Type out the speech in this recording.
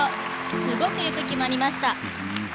すごくよく決まりました。